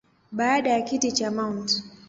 Baada ya kiti cha Mt.